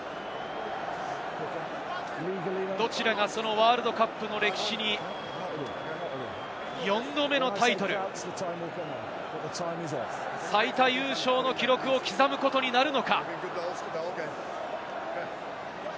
どちらがワールドカップの歴史に４度目のタイトル、最多優勝の記録を刻むことになるのか？